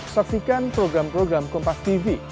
saksikan program program kompas tv